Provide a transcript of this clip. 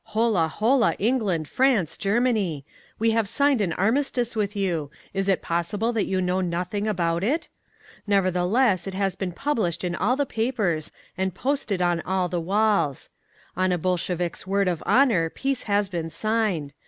Hola, hola, England, France, Germany! We have signed an armistice with you! Is it possible that you know nothing about it? Nevertheless, it has been published in all the papers and posted on all the walls. On a Bolshevik's word of honour, Peace has been signed.